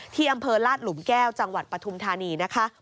ที่อำเภอลาดหลุมแก้วจังหวัดปฐุมธานีนะคะ